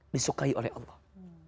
disukai oleh allah